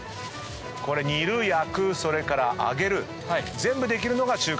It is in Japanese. これ煮る焼くそれから揚げる全部できるのが中華鍋という。